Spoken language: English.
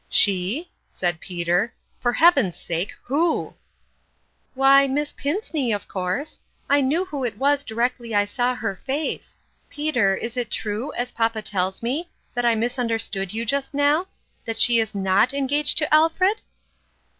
"She?" said Peter. "For heaven's sake, Intereot. 167 " Why, Miss Pinceney, of course. I knew who it was directly I saw her face. Peter, is it true, as papa tells me, that I misunderstood you just now that she is not engaged to Al fred?"